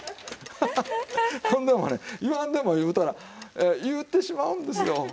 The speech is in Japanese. ほんでも言わんでも言うたら言うてしまうんですよ。